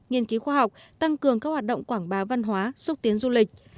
nghiên cứu khoa học tăng cường các hoạt động quảng bá văn hóa xúc tiến du lịch